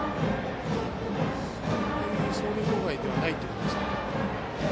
走塁妨害ではないということですか。